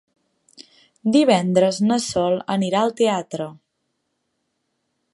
Divendres na Sol anirà al teatre.